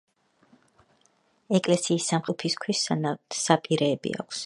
ეკლესიის სამხრეთ ფასადზე სარკმლებს ტუფის ქვის საპირეები აქვს.